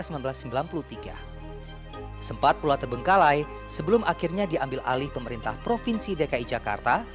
sempat pula terbengkalai sebelum akhirnya diambil alih pemerintah provinsi dki jakarta